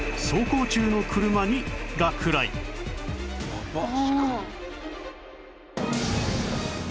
やばっ。